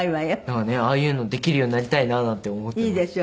なんかねああいうのできるようになりたいななんて思ってます。